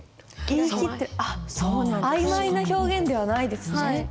あいまいな表現ではないですね。